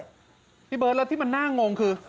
ปะพี่เบิร์ดที่มันน่างงคือ